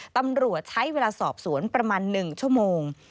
ตำรวจใช้เวลาสอบสวนประมาณ๑ชั่วโมง